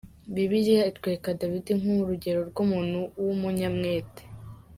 Bibiliya itwereka Dawidi nk'urugero rw'umuntu w'umunyamwete.